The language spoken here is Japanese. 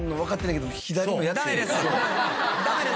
ダメです。